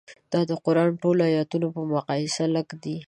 دا د قران ټولو ایتونو په مقایسه لږ دي.